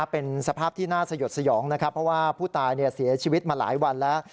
เป็นสภาพที่น่าสยดสยองนะครับเพราะว่าผู้ตายเสียชีวิตมาหลายวันแล้ว